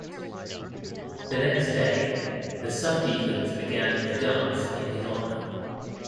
The next day, the subdeacons began the dance in his honor.